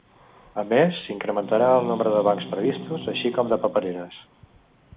A més, s’incrementara el nombre de bancs previstos, així com de papereres.